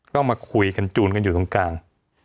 ก็มาคุยกันจูนกันอยู่ตรงกลาง